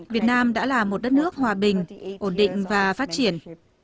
việt nam đã là một đất nước hòa bình ổn định và phát triển